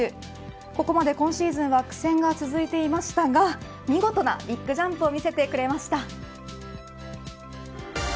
ここまで今シーズンは苦戦が続いていましたが見事なビッグジャンプを見せてくれました。